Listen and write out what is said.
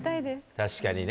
確かにね。